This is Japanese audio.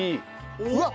うわっ！